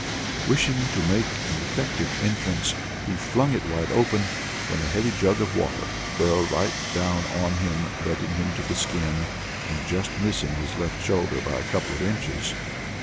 Wishing to make an effective entrance, he flung it wide open, when a heavy jug of water fell right down on him, wetting him to the skin, and just missing his left shoulder by a couple of inches.